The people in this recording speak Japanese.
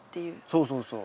そうそうそう。